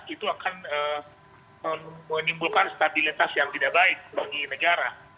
itu akan menimbulkan stabilitas yang tidak baik bagi negara